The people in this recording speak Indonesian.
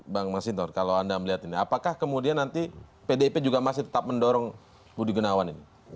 bang mas hinton kalau anda melihat ini apakah kemudian nanti pdip juga masih tetap mendorong budi gunawan ini